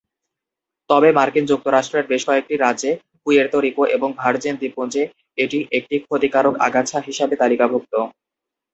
তবে মার্কিন যুক্তরাষ্ট্রের বেশ কয়েকটি রাজ্যে, পুয়ের্তো রিকো এবং ভার্জিন দ্বীপপুঞ্জে এটি একটি ক্ষতিকারক আগাছা হিসাবে তালিকাভুক্ত।